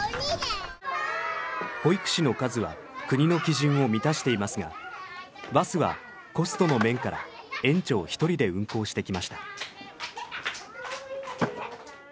保育士の数は国の基準を満たしていますがバスはコストの面から園長１人で運行してきました。